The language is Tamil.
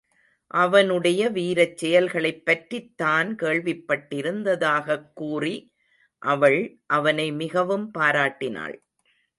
அவனுடைய வீரச் செயல்களைப் பற்றித் தான் கேள்விப்பட்டிருந்ததாகக் கூறி, அவள் அவனை மிகவும் பாராட்டினாள்.